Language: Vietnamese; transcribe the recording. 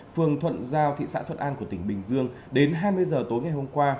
phường thuận giao thị xã thuận an của tỉnh bình dương đến hai mươi giờ tối ngày hôm qua